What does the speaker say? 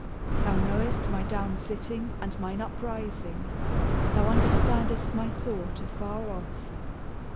Thou knowest my downsitting and mine uprising; thou understandest my thought afar off.